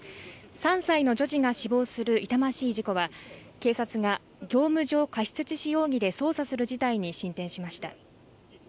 ３歳の女児が死亡する痛ましい事故は警察が業務上過失致死容疑で捜査する事態に進展しました